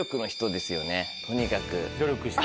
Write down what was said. とにかく。